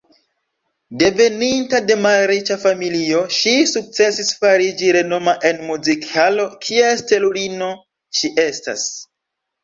Deveninta de malriĉa familio, ŝi sukcesis fariĝi renoma en muzik-halo, kies stelulino ŝi estas.